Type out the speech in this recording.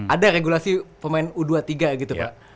ada regulasi pemain u dua puluh tiga gitu pak